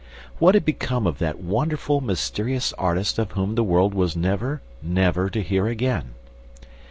... What had become of that wonderful, mysterious artist of whom the world was never, never to hear again?